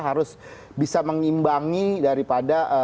harus bisa mengimbangi daripada